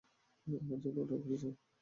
আমার জন্য অর্ডার করেছো?